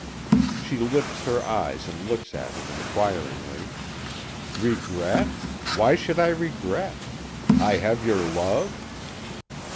She lifts her eyes and looks at him inquiringly: "Regret? Why should I regret? I have your love?"